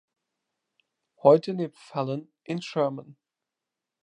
Heute lebt Fallon in Sherman.